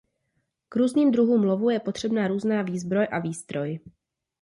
K různým druhům lovu je potřeba různá výzbroj a výstroj.